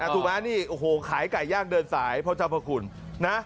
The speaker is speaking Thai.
ถูกมั้ยอันนี้ขายไก่ย่างเดินสายพระเจ้าพระคุณ